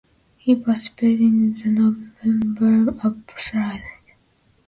He participated in the November Uprising.